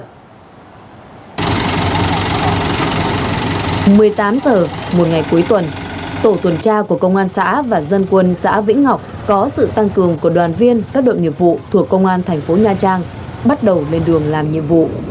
một mươi tám h một ngày cuối tuần tổ tuần tra của công an xã và dân quân xã vĩnh ngọc có sự tăng cường của đoàn viên các đội nghiệp vụ thuộc công an thành phố nha trang bắt đầu lên đường làm nhiệm vụ